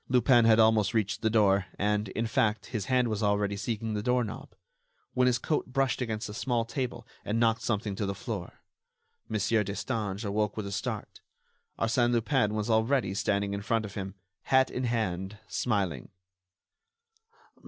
Lupin had almost reached the door and, in fact, his hand was already seeking the door knob, when his coat brushed against a small table and knocked something to the floor. Monsieur Destange awoke with a start. Arsène Lupin was already standing in front of him, hat in hand, smiling.